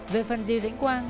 về phần diêu giãnh quang